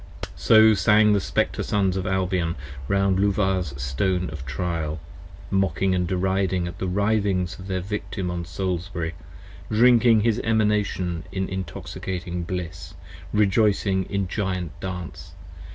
So sang the Spectre Sons of Albion round Luvah's Stone of Trial : Mocking and deriding at the writhings of their Victim on Salisbury: Drinking his Emanation in intoxicating bliss, rejoicing in Giant dance.